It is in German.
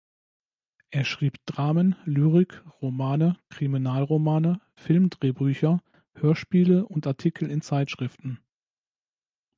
Er schrieb Dramen, Lyrik, Romane, Kriminalromane, Filmdrehbücher, Hörspiele und Artikel in Zeitschriften.